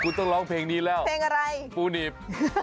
คุณต้องร้องเพลงนี้แล้วเพลงอะไรปูหนีบ